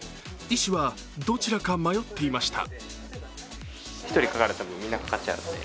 医師はどちらか迷っていました。